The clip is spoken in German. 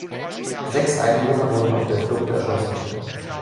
Sechs Einwohner wurden auf der Flucht erschossen.